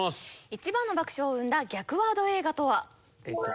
一番の爆笑を生んだ逆ワード映画とは？